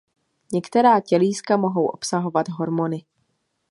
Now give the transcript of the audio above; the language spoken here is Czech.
Některá tělíska mohou obsahovat hormony.